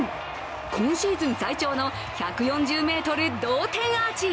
今シーズン最長の１４０ｍ同点アーチ。